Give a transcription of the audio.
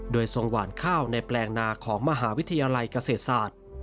โดยทรงหวานข้าวในแปลงนาของมหาวิทยาลัยเกษตรศาสตร์